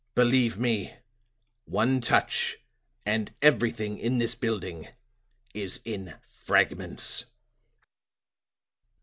Believe me, one touch and everything in this building is in fragments."